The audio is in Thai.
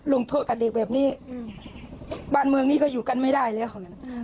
ลงโทษกับเด็กแบบนี้บ้านเมืองนี้ก็อยู่กันไม่ได้แล้ว